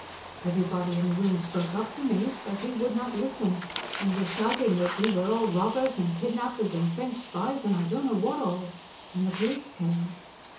Everybody in the room spoke up for me, but he would not listen, and was shouting that we were all robbers, and kidnapers, and French spies, and I don't know what all, when the police came.